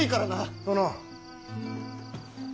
殿。